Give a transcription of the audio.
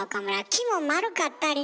木も丸かったりね